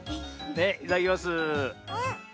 いただきます。